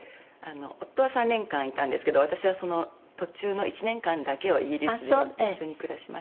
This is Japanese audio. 夫は３年間いたんですけど私はその途中の１年間だけをイギリスで一緒に暮らしました。